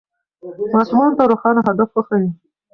ماشومانو ته روښانه هدف وښیئ.